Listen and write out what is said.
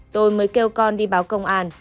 tôi mới kêu con đi báo công an